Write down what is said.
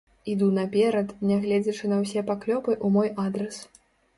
Іду наперад, нягледзячы на ўсе паклёпы ў мой адрас!